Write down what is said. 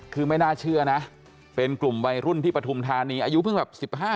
คือไม่น่าเชื่อนะเป็นกลุ่มวัยรุ่นที่ปฐุมธานีอายุเพิ่งแบบ๑๕